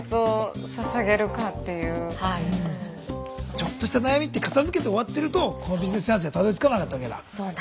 ちょっとした悩みって片づけて終わってるとこのビジネスチャンスにはたどりつかなかったわけだ。